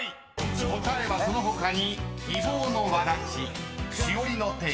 ［答えはその他に］